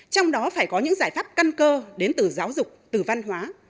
trong đó phải có những giải pháp căn cơ đến từ giáo dục từ văn hóa